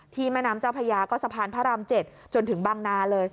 แม่น้ำเจ้าพญาก็สะพานพระราม๗จนถึงบางนาเลย